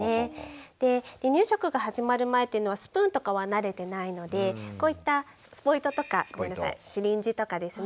離乳食が始まる前っていうのはスプーンとかは慣れてないのでこういったスポイトとかシリンジとかですね